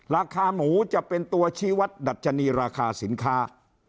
ราคาหมูจะเป็นตัวชี้วัดดัชนีราคาสินค้า